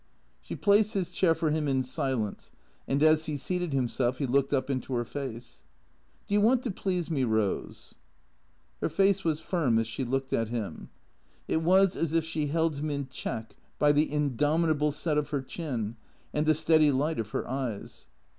She placed his chair for him in silence, and as he seated him self he looked up into her face. " Do you want to please me, Eose ?" Her face was lirm as she looked at him. It was as if she held him in check by the indomitable set of her chin, and the steady light of her eyes.